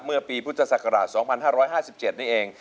เมื่อปีพุทธศักราช๒๕๕๗นี่เอง